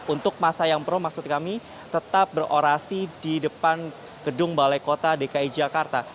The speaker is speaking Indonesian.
untuk masa yang pro maksud kami tetap berorasi di depan gedung balai kota dki jakarta